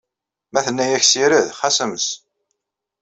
Ma tenna-ak ssired, xas ames.